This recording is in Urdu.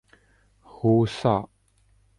ہؤسا